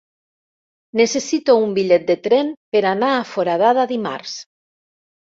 Necessito un bitllet de tren per anar a Foradada dimarts.